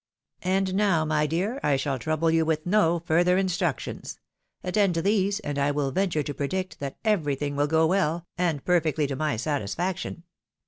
And now, my dear, I shall trouble you with no further instructions ; attend to these, and I will venture to predict that everything will go well, and perfectly to my satis faction.